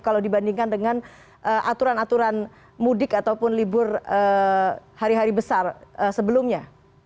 kalau dibandingkan dengan aturan aturan mudik ataupun libur hari hari besar sebelumnya